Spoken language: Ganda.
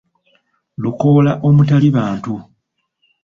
Lukoola omutali bantu.